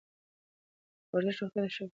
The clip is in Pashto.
ورزش روغتیا ښه کوي.